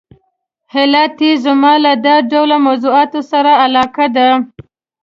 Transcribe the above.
علت یې زما له دا ډول موضوعاتو سره علاقه ده.